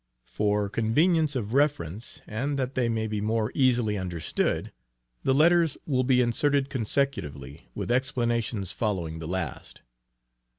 For convenience of reference, and that they may be more easily understood, the letters will be inserted consecutively, with explanations following the last.